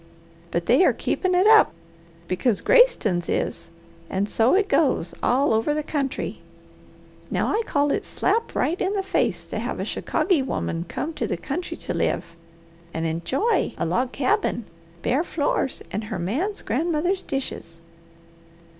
But they are keepin' it up, because Graceston's is, and so it goes all over the country. Now I call it a slap right in the face to have a Chicagy woman come to the country to live and enjoy a log cabin, bare floors, and her man's grandmother's dishes.